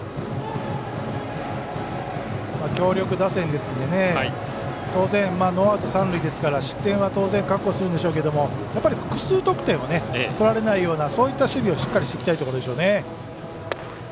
強力打線ですので当然、ノーアウト、三塁ですから失点は覚悟するでしょうけどやっぱり複数得点は取られないようなそういった守備をしっかりしていきたいところでしょうね。